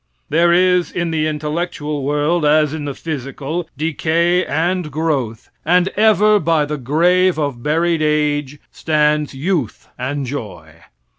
There is in the intellectual world, as in the physical, decay and growth, and ever by the grave of buried age stand youth and joy.